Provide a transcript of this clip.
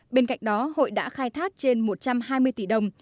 bên cạnh đó hội đã khai thác trên một trăm hai mươi tỷ đồng